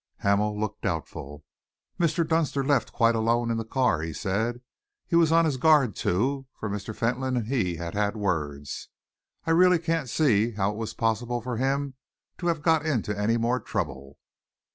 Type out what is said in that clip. Hamel looked doubtful. "Mr. Dunster left quite alone in the car," he said. "He was on his guard too, for Mr. Fentolin and he had had words. I really can't see how it was possible for him to have got into any more trouble."